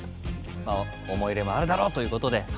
まあ思い入れもあるだろうということで。